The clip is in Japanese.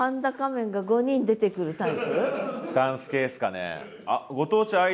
ダンス系ですかね？